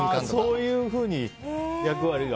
そういうふうに役割が。